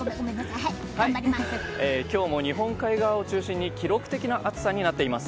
今日も日本海側を中心に記録的な暑さになっています。